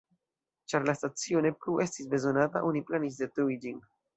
Ĉar la stacio ne plu estis bezonata, oni planis, detrui ĝin.